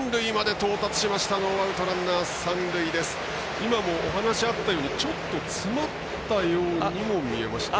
今も、お話があったようにちょっと詰まったようにも見えましたね。